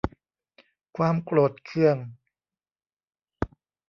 ความโกรธเคือง